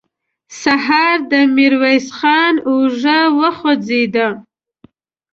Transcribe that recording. سهار د ميرويس خان اوږه وخوځېده.